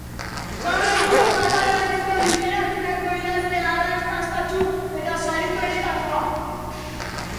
Gaur egungo katalanezko literaturako idazle arrakastatsu eta sarituenetakoa.